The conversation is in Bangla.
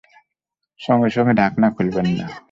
সঙ্গে সঙ্গে ঢাকনা খুলবেন না।